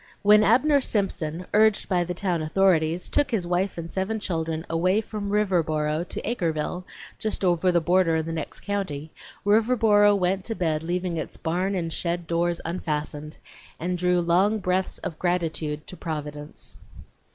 When Abner Simpson, urged by the town authorities, took his wife and seven children away from Riverboro to Acreville, just over the border in the next county, Riverboro went to bed leaving its barn and shed doors unfastened, and drew long breaths of gratitude to Providence.